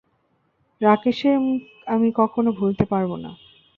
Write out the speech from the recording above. রাকেশের মুখ আমি কখনো ভুলতে পারবো না।